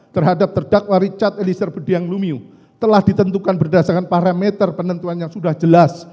terhadap terdakwa richard elisir budiang lumiu telah ditentukan berdasarkan parameter penentuan yang sudah jelas